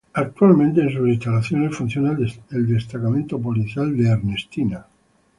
Actualmente, en sus instalaciones funciona el Destacamento Policial de Ernestina.